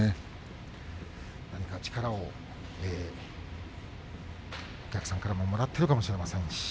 何か力をお客さんからももらっているかもしれません。